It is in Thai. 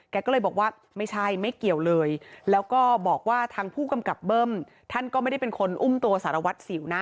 แกก็เลยบอกว่าไม่ใช่ไม่เกี่ยวเลยแล้วก็บอกว่าทางผู้กำกับเบิ้มท่านก็ไม่ได้เป็นคนอุ้มตัวสารวัตรสิวนะ